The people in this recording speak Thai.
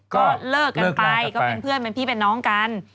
ก็เลิกกันไปก็เป็นเพื่อนเป็นพี่เป็นน้องกัน